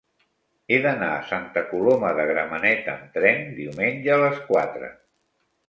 He d'anar a Santa Coloma de Gramenet amb tren diumenge a les quatre.